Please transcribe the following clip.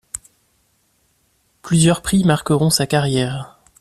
Plusieurs prix marqueront sa carrière.